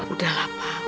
udah lah pak